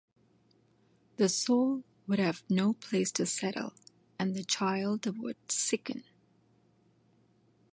The soul would have no place to settle, and the child would sicken.